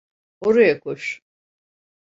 Oraya koş.